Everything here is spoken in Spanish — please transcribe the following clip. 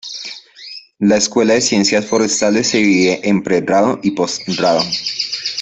La Escuela de Ciencias Forestales se divide en pregrado y postgrado.